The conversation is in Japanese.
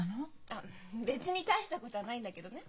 あっ別に大したことはないんだけどね。